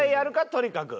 とにかく。